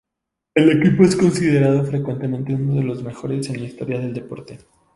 El equipo es considerado frecuentemente uno de los mejores en la historia del deporte.